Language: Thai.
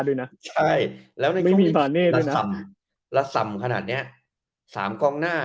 ด้วยนะใช่แล้วแล้วไม่มีแล้วสำขนาดเนี้ยสามกองหน้า